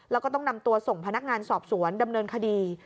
แล้วก็ต้องนำตัวส่งพนักงานสอบสวนดำเนินคดี